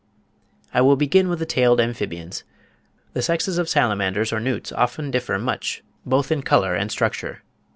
] I will begin with the tailed amphibians. The sexes of salamanders or newts often differ much both in colour and structure.